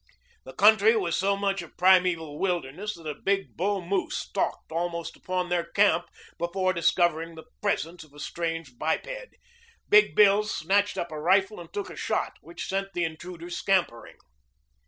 The country was so much a primeval wilderness that a big bull moose stalked almost upon their camp before discovering the presence of a strange biped. Big Bill snatched up a rifle and took a shot which sent the intruder scampering.